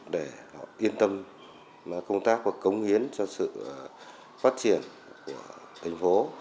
để yên tâm công tác và cống hiến cho sự phát triển của thành phố